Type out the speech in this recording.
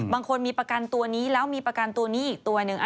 บางคนมีประกันตัวนี้แล้วมีประกันตัวนี้อีกตัวหนึ่ง